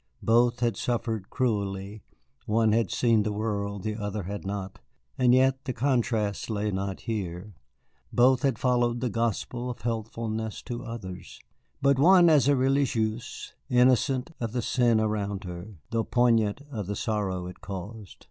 Both had suffered cruelly; one had seen the world, the other had not, and yet the contrast lay not here. Both had followed the gospel of helpfulness to others, but one as a religieuse, innocent of the sin around her, though poignant of the sorrow it caused.